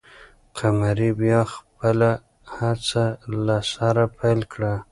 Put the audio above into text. قمري بیا خپله هڅه له سره پیل کړه.